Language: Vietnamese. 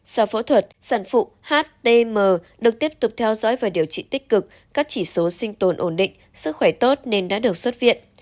sau phẫu thuật sản phụ htm được tiếp tục theo dõi và điều trị tích cực các chỉ số sinh tồn ổn định sức khỏe tốt nên đã được xuất viện